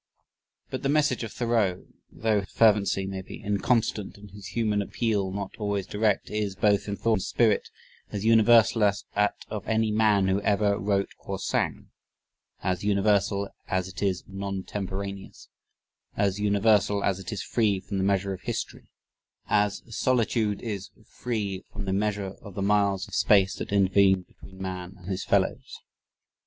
But the message of Thoreau, though his fervency may be inconstant and his human appeal not always direct, is, both in thought and spirit, as universal as that of any man who ever wrote or sang as universal as it is nontemporaneous as universal as it is free from the measure of history, as "solitude is free from the measure of the miles of space that intervene between man and his fellows."